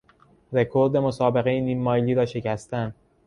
رکورد مسابقهی نیم مایلی را شکستن